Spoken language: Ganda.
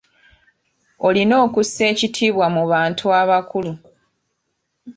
Olina okussa ekitiibwa mu bantu abakulu.